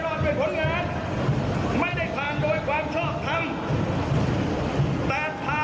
ระบบรัฐสภาที่ต้องคล่องเมลา